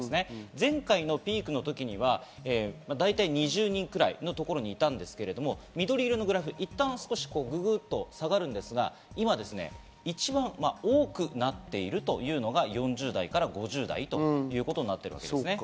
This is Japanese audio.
前回のピークの時には大体２０人ぐらいのところにいたんですけど、緑色のグラフ、いったんググっと下がるんですが、今、一番多くなっているというのが４０代から５０代ということになっています。